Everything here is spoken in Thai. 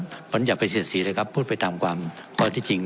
เพราะฉะนั้นอย่าไปเสียดสีเลยครับพูดไปตามความข้อที่จริง